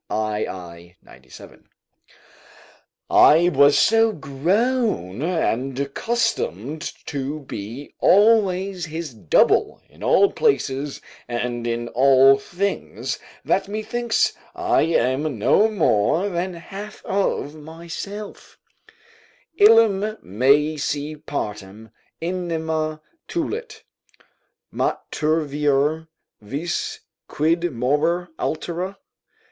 i. I. 97.] I was so grown and accustomed to be always his double in all places and in all things, that methinks I am no more than half of myself: "Illam meae si partem anima tulit Maturior vis, quid moror altera?